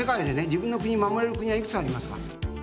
自分の国守れる国はいくつありますか？